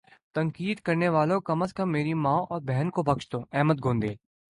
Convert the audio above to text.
تنقید کرنے والو کم از کم میری ماں اور بہن کو بخش دو احمد گوڈیل